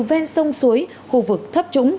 ven sông suối khu vực thấp trũng